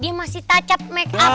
dia masih tacap up make up